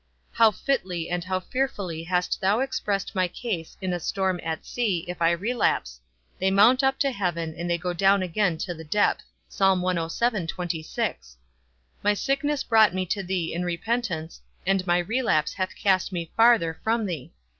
How fitly and how fearfully hast thou expressed my case in a storm at sea, if I relapse; They mount up to heaven, and they go down again to the depth! My sickness brought me to thee in repentance, and my relapse hath cast me farther from thee.